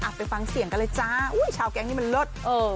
ขออัพไปฟังเสียงกันเลยจ้าอุ้ยชาวแก๊งนี้มาแหมลด